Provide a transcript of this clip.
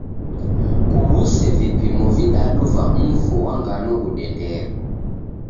Kuw'use vipimo vidadu va mfu ghwa ngano ghudendere.